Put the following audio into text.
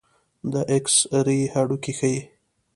د ایکس رې هډوکي ښيي.